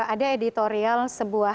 ada editorial sebuah